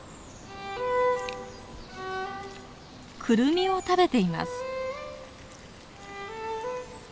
クルミを食べています。